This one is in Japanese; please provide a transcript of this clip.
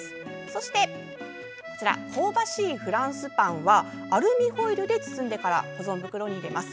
そして、香ばしいフランスパンはアルミホイルで包んでから保存袋に入れます。